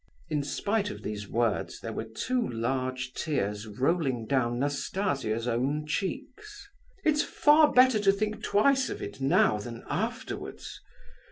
(In spite of these words there were two large tears rolling down Nastasia's own cheeks.) "It's far better to think twice of it now than afterwards.